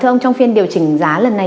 thưa ông trong phiên điều chỉnh giá lần này